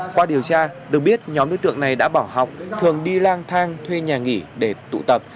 qua điều tra được biết nhóm đối tượng này đã bỏ học thường đi lang thang thuê nhà nghỉ để tụ tập